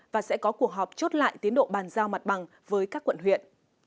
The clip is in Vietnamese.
và sẽ có cuộc họp chốt lại tiến độ bàn giao mặt bằng với các quận huyện